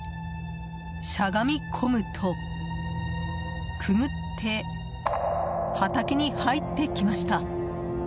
しゃがみ込むとくぐって畑に入ってきました。